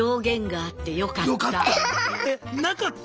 よかった。